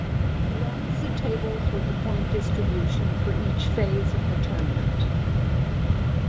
Below is the tables with the point distribution for each phase of the tournament.